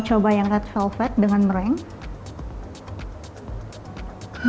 saya mau coba yang red velvet dengan meringue